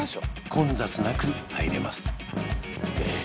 混雑なく入れますえ